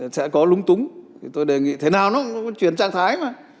sẽ có lúng túng tôi đề nghị thế nào nó cũng chuyển trạng thái mà